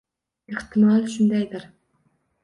Ehtimol shundaydir.